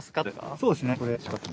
そうですねはい。